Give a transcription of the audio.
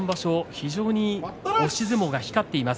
非常に押し相撲が光っています。